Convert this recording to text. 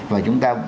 và chúng ta